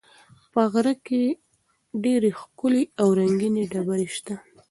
په غره کې ډېرې ښکلې او رنګینې ډبرې شته.